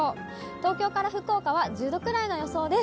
東京から福岡は１０度くらいの予想です。